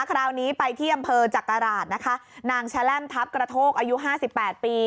คราวนี้ไปที่อำเภอจักราชนะคะนางแร่มทัพกระโทกอายุห้าสิบแปดปี